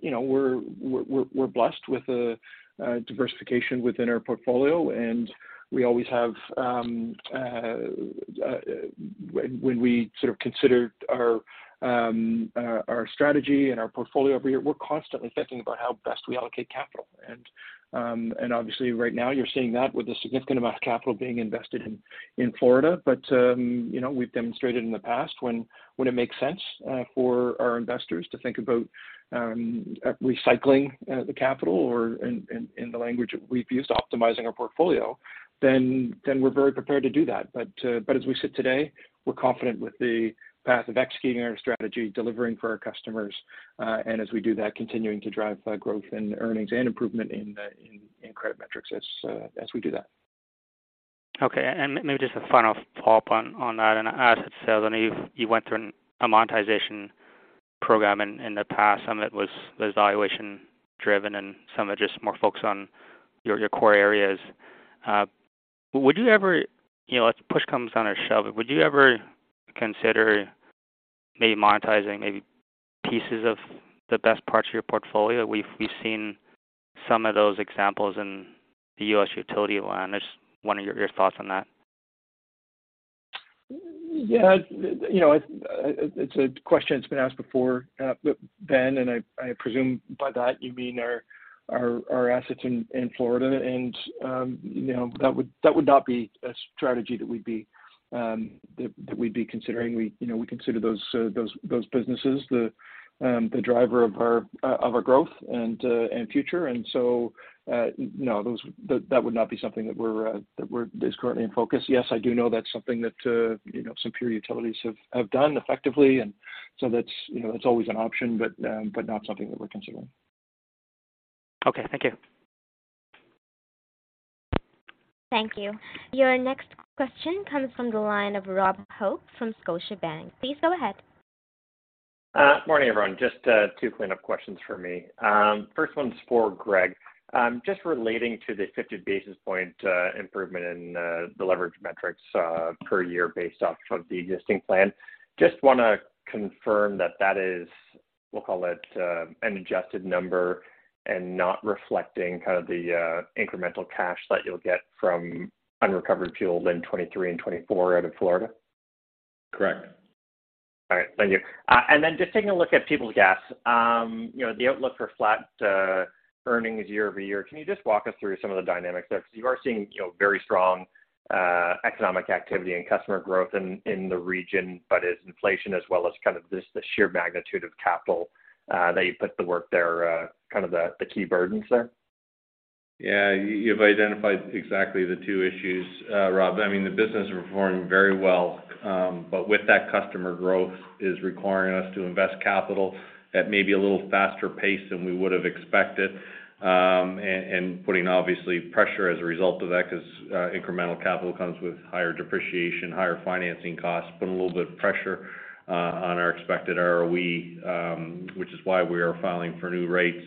Speaker 3: You know, we're blessed with the diversification within our portfolio, and we always have, when we sort of consider our strategy and our portfolio every year, we're constantly thinking about how best we allocate capital. Obviously right now you're seeing that with a significant amount of capital being invested in Florida. You know, we've demonstrated in the past when it makes sense for our investors to think about recycling the capital or in the language we've used, optimizing our portfolio, then we're very prepared to do that. As we sit today, we're confident with the path of executing our strategy, delivering for our customers, and as we do that, continuing to drive growth and earnings and improvement in credit metrics as we do that.
Speaker 8: Okay. Maybe just a final follow-up on that and asset sales. I know you went through a monetization program in the past. Some of it was valuation-driven and some are just more focused on your core areas. Would you ever, you know, if push comes on a shove, would you ever consider maybe monetizing pieces of the best parts of your portfolio? We've seen some of those examples in the U.S. utility land. I just wondering your thoughts on that?
Speaker 3: Yeah. You know, it's a question that's been asked before, Ben, I presume by that you mean our assets in Florida. You know, that would not be a strategy that we'd be considering. We, you know, we consider those businesses the driver of our growth and future. You know, that would not be something that we're currently in focus. Yes, I do know that's something that, you know, some peer utilities have done effectively. That's, you know, it's always an option, but not something that we're considering.
Speaker 8: Okay. Thank you.
Speaker 1: Thank you. Your next question comes from the line of Rob Hope from Scotiabank. Please go ahead.
Speaker 9: Morning, everyone. Just two cleanup questions for me. First one's for Greg, just relating to the 50 basis point improvement in the leverage metrics per year based off of the existing plan. Just want to confirm that that is, we'll call it, an adjusted number and not reflecting kind of the incremental cash that you'll get from unrecovered fuel in 2023 and 2024 out of Florida.
Speaker 4: Correct.
Speaker 9: All right. Thank you. Then just taking a look at Peoples Gas, you know, the outlook for flat earnings year-over-year, can you just walk us through some of the dynamics there? You are seeing, you know, very strong economic activity and customer growth in the region, is inflation as well as kind of this, the sheer magnitude of capital that you put to work there, kind of the key burdens there?
Speaker 4: Yeah. You've identified exactly the two issues, Rob. I mean, the business is performing very well, but with that customer growth is requiring us to invest capital at maybe a little faster pace than we would have expected, and putting obviously pressure as a result of that 'cause incremental capital comes with higher depreciation, higher financing costs, putting a little bit of pressure on our expected ROE, which is why we are filing for new rates.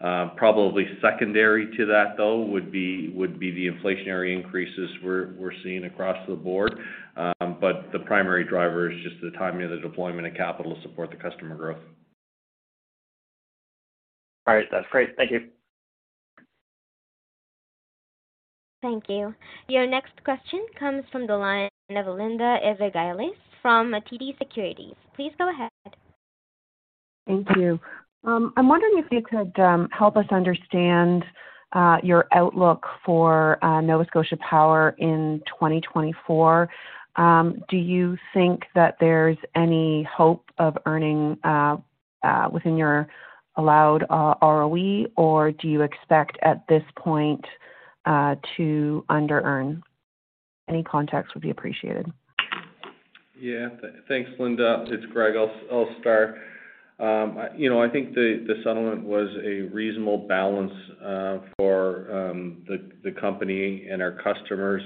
Speaker 4: Probably secondary to that, though, would be the inflationary increases we're seeing across the board. The primary driver is just the timing of the deployment of capital to support the customer growth.
Speaker 9: All right. That's great. Thank you.
Speaker 1: Thank you. Your next question comes from the line of Linda Ezergailis from TD Securities. Please go ahead.
Speaker 10: Thank you. I'm wondering if you could help us understand your outlook for Nova Scotia Power in 2024. Do you think that there's any hope of earning within your allowed ROE, or do you expect at this point to under earn? Any context would be appreciated.
Speaker 4: Thanks, Linda. It's Greg. I'll start. You know, I think the settlement was a reasonable balance for the company and our customers.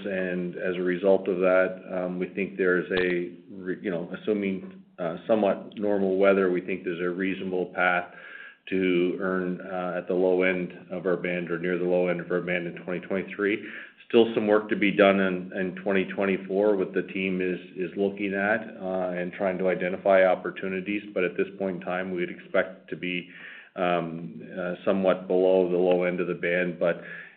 Speaker 4: As a result of that, we think there's a you know, assuming somewhat normal weather, we think there's a reasonable path to earn at the low end of our band or near the low end of our band in 2023. Still some work to be done in 2024, which the team is looking at and trying to identify opportunities. At this point in time, we'd expect to be somewhat below the low end of the band.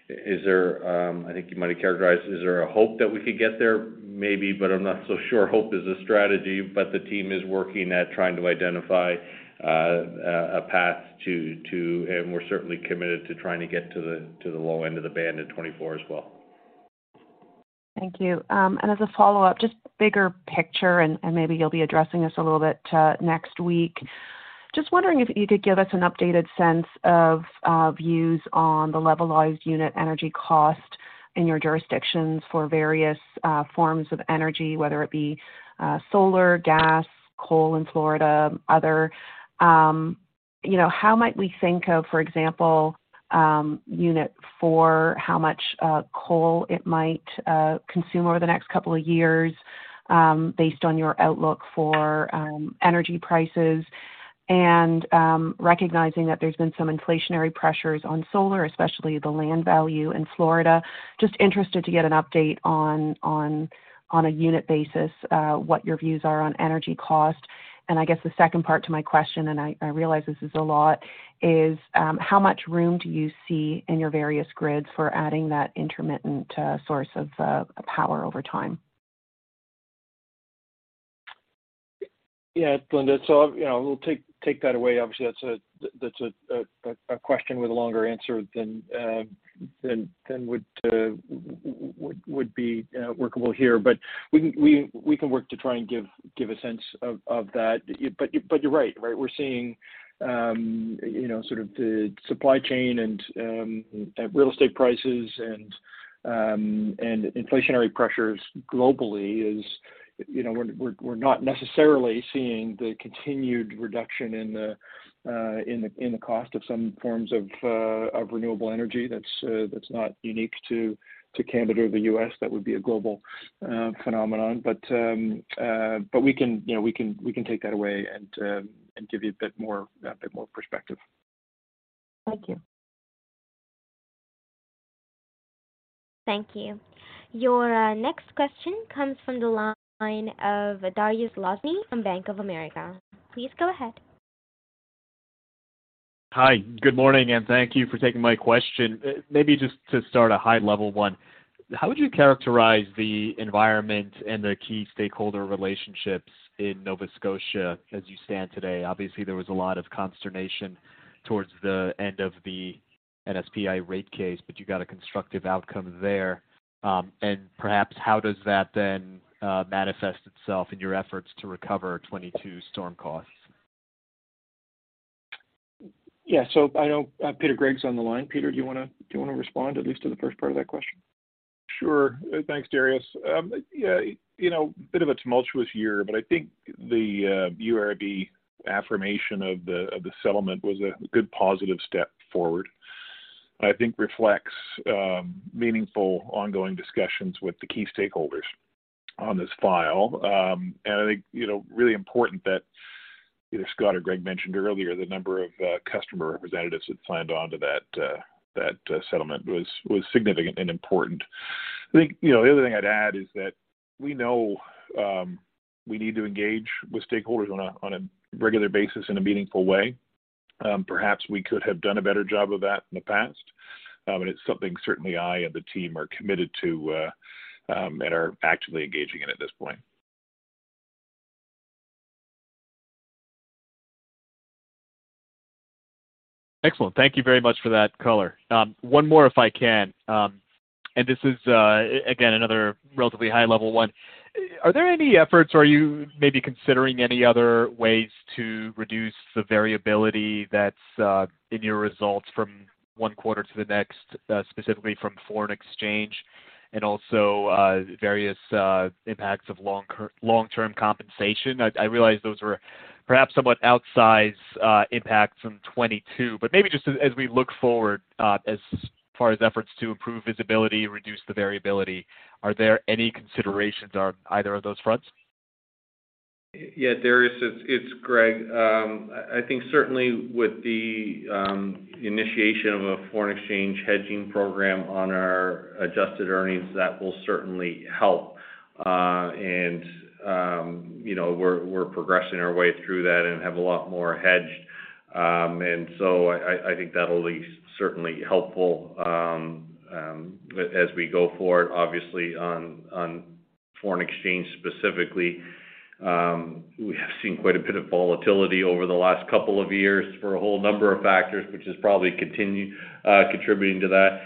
Speaker 4: Is there I think you might have characterized, is there a hope that we could get there? Maybe, but I'm not so sure hope is a strategy. The team is working at trying to identify a path to. We're certainly committed to trying to get to the low end of the band in 2024 as well.
Speaker 10: Thank you. As a follow-up, just bigger picture, and maybe you'll be addressing this a little bit next week. Just wondering if you could give us an updated sense of views on the levelized unit energy cost in your jurisdictions for various forms of energy, whether it be solar, gas, coal in Florida, other. You know, how might we think of, for example, unit for how much coal it might consume over the next couple of years, based on your outlook for energy prices? Recognizing that there's been some inflationary pressures on solar, especially the land value in Florida, just interested to get an update on a unit basis, what your views are on energy cost. I guess the second part to my question, and I realize this is a lot, is how much room do you see in your various grids for adding that intermittent source of power over time?
Speaker 3: Yeah, Linda. You know, we'll take that away. Obviously, that's a question with a longer answer than would be workable here. We can work to try and give a sense of that. You're right? We're seeing, you know, sort of the supply chain and real estate prices and inflationary pressures globally is, you know, we're not necessarily seeing the continued reduction in the cost of some forms of renewable energy. That's not unique to Canada or the U.S. That would be a global phenomenon. We can, you know, we can take that away and give you a bit more perspective.
Speaker 10: Thank you.
Speaker 1: Thank you. Your next question comes from the line of Dariusz Glowacki from Bank of America. Please go ahead.
Speaker 11: Hi. Good morning, thank you for taking my question. Maybe just to start a high-level one, how would you characterize the environment and the key stakeholder relationships in Nova Scotia as you stand today? Obviously, there was a lot of consternation towards the end of the NSPI rate case, you got a constructive outcome there. Perhaps how does that then manifest itself in your efforts to recover 22 storm costs?
Speaker 3: Yeah. I know, Peter Gregg's on the line. Peter, do you wanna respond at least to the first part of that question?
Speaker 12: Sure. Thanks, Dariusz. Yeah, you know, bit of a tumultuous year, but I think the URB affirmation of the settlement was a good positive step forward. I think reflects meaningful ongoing discussions with the key stakeholders on this file. I think, you know, really important that either Scott or Greg mentioned earlier the number of customer representatives that signed on to that settlement was significant and important. I think, you know, the other thing I'd add is that we know, we need to engage with stakeholders on a regular basis in a meaningful way. Perhaps we could have done a better job of that in the past. It's something certainly I and the team are committed to, and are actively engaging in at this point.
Speaker 11: Excellent. Thank you very much for that color. One more if I can. This is, again, another relatively high level one. Are there any efforts or are you maybe considering any other ways to reduce the variability that's in your results from one quarter to the next, specifically from foreign exchange and also various impacts of long-term compensation? I realize those were perhaps somewhat outsized impacts in 2022. Maybe just as we look forward, as far as efforts to improve visibility, reduce the variability, are there any considerations on either of those fronts?
Speaker 4: Yeah, Dariusz, it's Greg. I think certainly with the initiation of a foreign exchange hedging program on our adjusted earnings, that will certainly help. You know, we're progressing our way through that and have a lot more hedged. I think that'll be certainly helpful as we go forward. Obviously, on foreign exchange specifically, we have seen quite a bit of volatility over the last couple of years for a whole number of factors, which is probably contributing to that.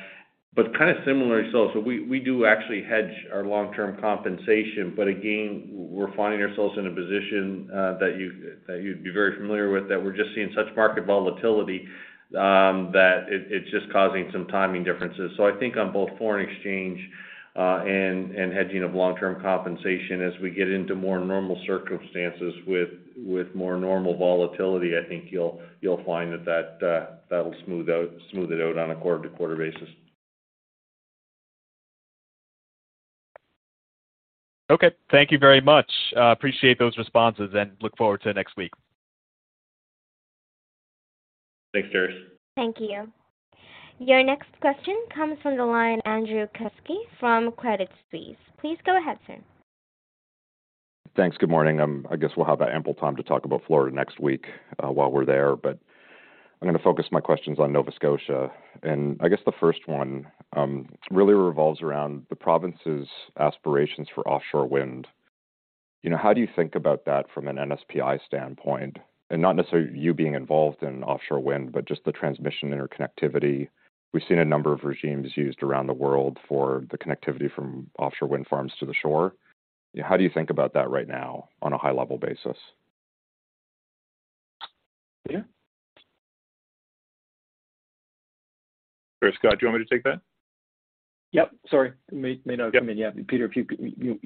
Speaker 4: Kind of similarly, we do actually hedge our long-term compensation. Again, we're finding ourselves in a position that you'd be very familiar with, that we're just seeing such market volatility, that it's just causing some timing differences. I think on both foreign exchange, and hedging of long-term compensation as we get into more normal circumstances with more normal volatility. I think you'll find that that'll smooth it out on a quarter-to-quarter basis.
Speaker 11: Okay. Thank you very much. Appreciate those responses and look forward to next week.
Speaker 4: Thanks, Dariusz.
Speaker 1: Thank you. Your next question comes from the line of Andrew Kuske from Credit Suisse. Please go ahead, sir.
Speaker 13: Thanks. Good morning. I guess we'll have ample time to talk about Florida next week, while we're there, but I'm gonna focus my questions on Nova Scotia. I guess the first one really revolves around the province's aspirations for offshore wind. You know, how do you think about that from an NSPI standpoint? Not necessarily you being involved in offshore wind, but just the transmission interconnectivity. We've seen a number of regimes used around the world for the connectivity from offshore wind farms to the shore. How do you think about that right now on a high level basis?
Speaker 3: Peter?
Speaker 12: Scott, do you want me to take that?
Speaker 3: Yep. Sorry. May not have come in yet.
Speaker 12: Yep.
Speaker 3: Peter, if you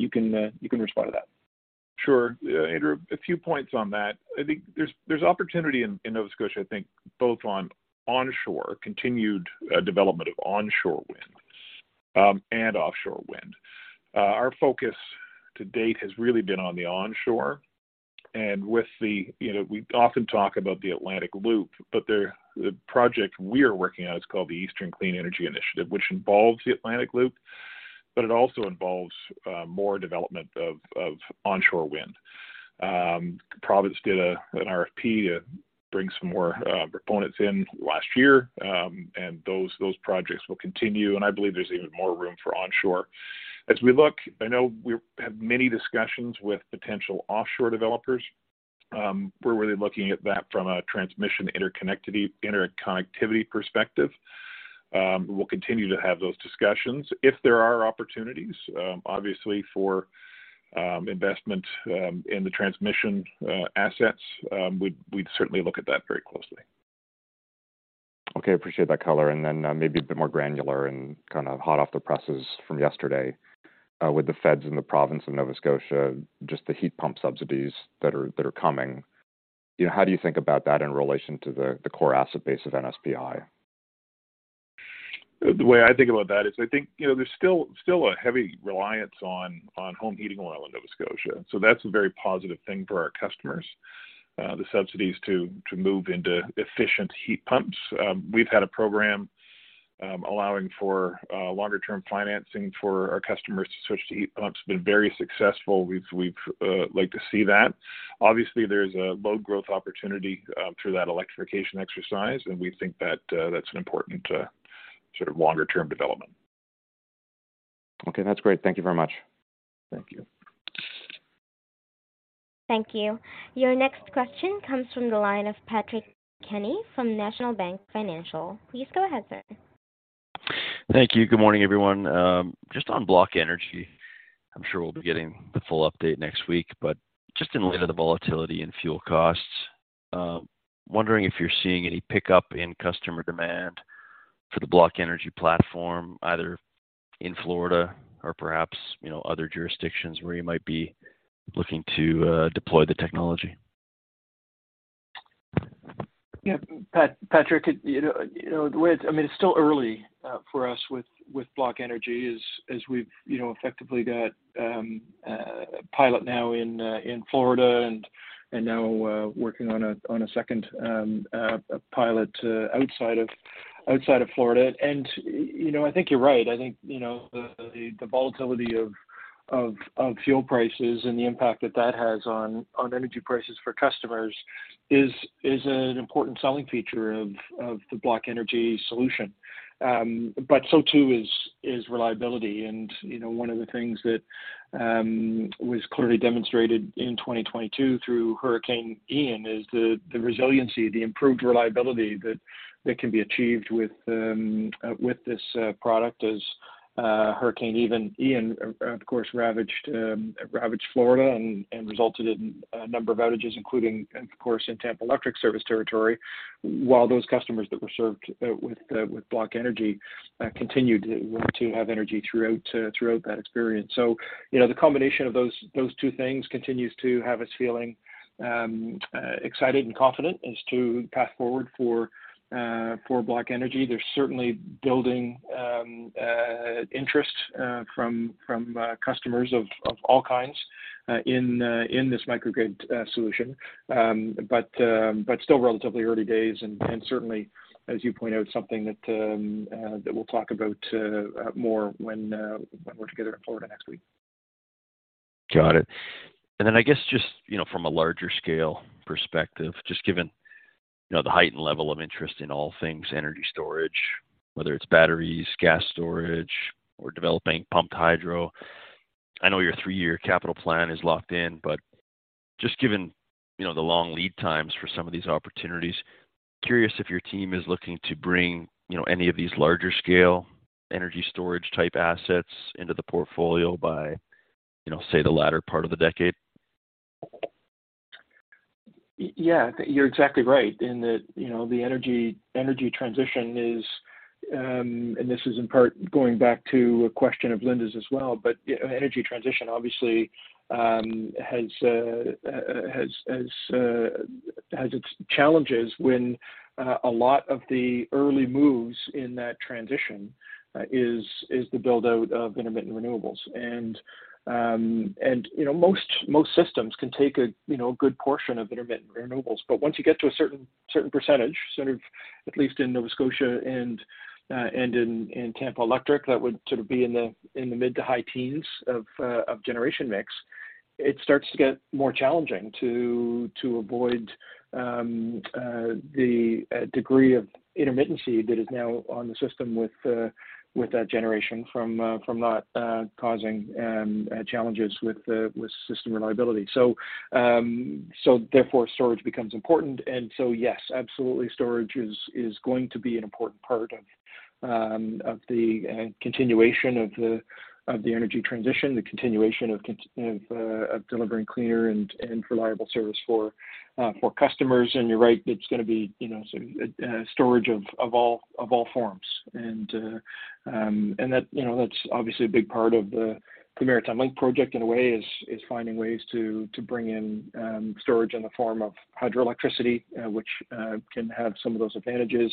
Speaker 3: can, you can respond to that.
Speaker 12: Sure. Andrew, a few points on that. I think there's opportunity in Nova Scotia, I think both on onshore, continued development of onshore wind, and offshore wind. Our focus to date has really been on the onshore. You know, we often talk about the Atlantic Loop, but the project we're working on is called the Eastern Clean Energy Initiative, which involves the Atlantic Loop, but it also involves more development of onshore wind. The province did an RFP to bring some more proponents in last year. Those projects will continue, and I believe there's even more room for onshore. As we look, I know we have many discussions with potential offshore developers. We're really looking at that from a transmission interconnectivity perspective. We'll continue to have those discussions. If there are opportunities, obviously for investment in the transmission assets, we'd certainly look at that very closely.
Speaker 13: Okay. Appreciate that color. Maybe a bit more granular and kind of hot off the presses from yesterday. With the feds in the province of Nova Scotia, just the heat pump subsidies that are coming, you know, how do you think about that in relation to the core asset base of NSPI?
Speaker 12: The way I think about that is I think, you know, there's still a heavy reliance on home heating oil in Nova Scotia. That's a very positive thing for our customers. The subsidies to move into efficient heat pumps. We've had a program allowing for longer-term financing for our customers to switch to heat pumps. It's been very successful. We've like to see that. Obviously, there's a load growth opportunity through that electrification exercise, and we think that that's an important sort of longer-term development.
Speaker 13: Okay. That's great. Thank you very much.
Speaker 12: Thank you.
Speaker 1: Thank you. Your next question comes from the line of Patrick Kenny from National Bank Financial. Please go ahead, sir.
Speaker 14: Thank you. Good morning, everyone. just on BlockEnergy I'm sure we'll be getting the full update next week. Just in light of the volatility in fuel costs, wondering if you're seeing any pickup in customer demand for the BlockEnergy platform, either in Florida or perhaps, you know, other jurisdictions where you might be looking to deploy the technology.
Speaker 3: Yeah. Patrick, you know, I mean, it's still early for us with Block Energy as we've, you know, effectively got pilot now in Florida and now working on a second pilot outside of Florida. You know, I think you're right. I think, you know, the volatility of fuel prices and the impact that that has on energy prices for customers is an important selling feature of the Block Energy solution. So too is reliability. You know, one of the things that was clearly demonstrated in 2022 through Hurricane Ian is the resiliency, the improved reliability that can be achieved with this product as Hurricane Ian, of course, ravaged Florida and resulted in a number of outages, including of course, in Tampa Electric service territory. While those customers that were served with BlockEnergy continued to have energy throughout that experience. You know, the combination of those two things continues to have us feeling excited and confident as to path forward for BlockEnergy. There's certainly building interest from customers of all kinds in this microgrid solution. Still relatively early days and certainly, as you point out, something that we'll talk about more when we're together in Florida next week.
Speaker 14: Got it. I guess just, you know, from a larger scale perspective, just given, you know, the heightened level of interest in all things energy storage, whether it's batteries, gas storage, or developing pumped hydro. I know your three-year capital plan is locked in, but just given, you know, the long lead times for some of these opportunities, curious if your team is looking to bring, you know, any of these larger scale energy storage type assets into the portfolio by, you know, say, the latter part of the decade?
Speaker 3: Yeah. You're exactly right in that, you know, the energy transition is. This is in part going back to a question of Linda's as well. You know, energy transition obviously has its challenges when a lot of the early moves in that transition is the build-out of intermittent renewables. You know, most systems can take, you know, a good portion of intermittent renewables. Once you get to a certain percentage, sort of at least in Nova Scotia and in Tampa Electric, that would sort of be in the mid to high teens of generation mix. It starts to get more challenging to avoid the degree of intermittency that is now on the system with that generation from that causing challenges with system reliability. Therefore, storage becomes important. Yes, absolutely, storage is going to be an important part of the continuation of the energy transition, the continuation of delivering cleaner and reliable service for customers. You're right, it's gonna be, you know, storage of all forms. And that, you know, that's obviously a big part of the Maritime Link project in a way, is finding ways to bring in storage in the form of hydroelectricity, which can have some of those advantages.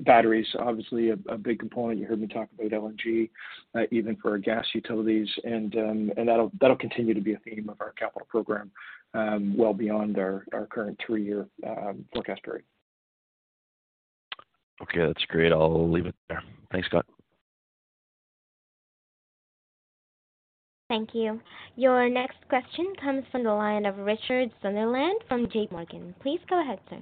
Speaker 3: Batteries obviously a big component. You heard me talk about LNG, even for our gas utilities. That'll continue to be a theme of our capital program, well beyond our current three-year forecast period.
Speaker 14: Okay, that's great. I'll leave it there. Thanks, Scott.
Speaker 1: Thank you. Your next question comes from the line of Richard Sunderland from JPMorgan. Please go ahead, sir.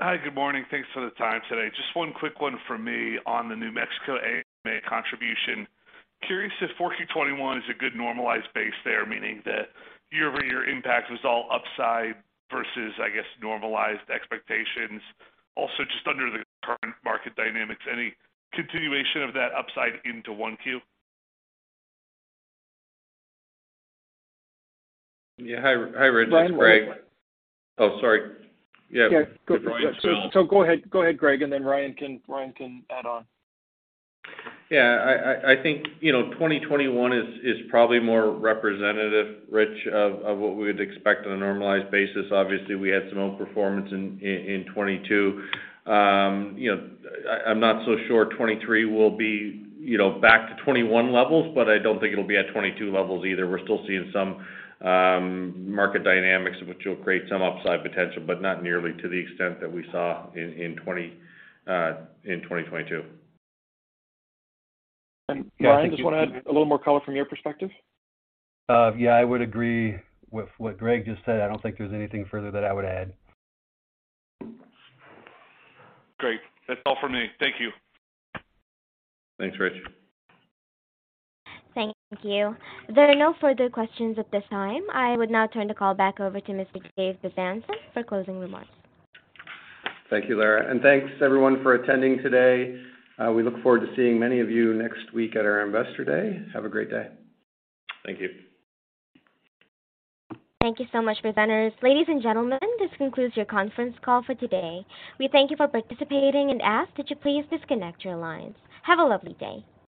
Speaker 15: Hi. Good morning. Thanks for the time today. Just one quick one from me on the New Mexico AMA contribution. Curious if 2021 is a good normalized base there, meaning that year-over-year impact was all upside versus, I guess, normalized expectations. Just under the current market dynamics, any continuation of that upside into 1Q?
Speaker 4: Yeah. Hi, Rich. It's Greg.
Speaker 3: Ryan-
Speaker 4: Oh, sorry. Yeah.
Speaker 3: Yeah.
Speaker 4: With Ryan-
Speaker 3: Go ahead, Greg, and then Ryan can add on.
Speaker 4: Yeah, I think, you know, 2021 is probably more representative, Rich, of what we would expect on a normalized basis. Obviously, we had some outperformance in 2022. You know, I'm not so sure 2023 will be, you know, back to 2021 levels, but I don't think it'll be at 2022 levels either. We're still seeing some market dynamics which will create some upside potential, but not nearly to the extent that we saw in 2022.
Speaker 3: Ryan, just wanna add a little more color from your perspective.
Speaker 12: Yeah, I would agree with what Greg just said. I don't think there's anything further that I would add.
Speaker 15: Great. That's all for me. Thank you.
Speaker 4: Thanks, Rich.
Speaker 1: Thank you. There are no further questions at this time. I would now turn the call back over to Mr. Dave Bezanson for closing remarks.
Speaker 2: Thank you, Lara, and thanks everyone for attending today. We look forward to seeing many of you next week at our Investor Day. Have a great day.
Speaker 14: Thank you.
Speaker 1: Thank you so much, presenters. Ladies and gentlemen, this concludes your conference call for today. We thank you for participating and ask that you please disconnect your lines. Have a lovely day.